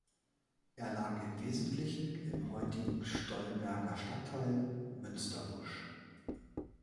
Er lag im Wesentlichen im heutigen Stolberger Stadtteil Münsterbusch.